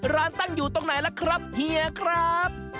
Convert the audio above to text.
ร้านตั้งอยู่ตรงไหนล่ะครับเฮียครับ